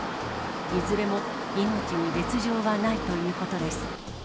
いずれも命に別状はないということです。